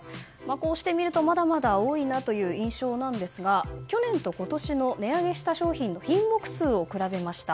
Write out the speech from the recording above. こうして見るとまだまだ多いなという印象なんですが去年と今年の値上げした商品の品目数を比べました。